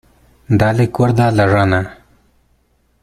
Dale cuerda a la rana.